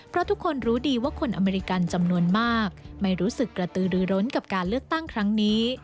เพราะทุกคนรู้ดีว่าคนอเมริกันจำนวนมากไม่รู้สึกกระตือรือร้นกับการเลือกตั้งครั้งนี้